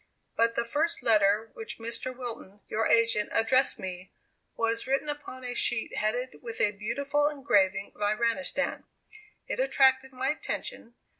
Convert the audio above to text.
But the first letter which Mr. Wilton, your agent, addressed me, was written upon a sheet headed with a beautiful engraving of Iranistan. It attracted my attention.